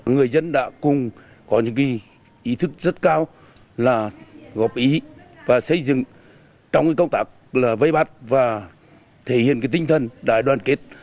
người dân đã cùng có những ý thức rất cao là góp ý và xây dựng trong công tác vây bắt và thể hiện tinh thần đại đoàn kết